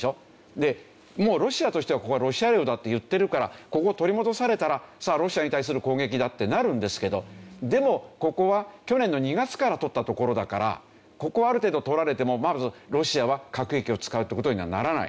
でもうロシアとしてはここはロシア領だって言ってるからここを取り戻されたらロシアに対する攻撃だってなるんですけどでもここは去年の２月から取った所だからここをある程度取られてもまずロシアは核兵器を使うって事にはならない。